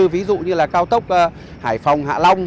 ví dụ như là cao tốc hải phòng hạ long